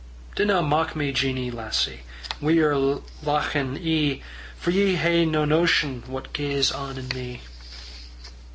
"Dinna mock me, Jeannie, lassie, Wi' yer lauchin' ee; For ye hae nae notion What gaes on in me."